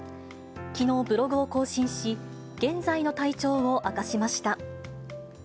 きのう、ブログを更新し、現在の体調を明かしました。